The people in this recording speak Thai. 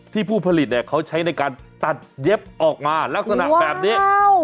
ผู้ผลิตเนี่ยเขาใช้ในการตัดเย็บออกมาลักษณะแบบนี้